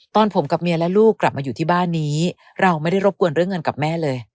ตอนผมกับเมียและลูกกลับมาอยู่ที่บ้านนี้เราไม่ได้รบกวนเรื่องเงินกับแม่เลย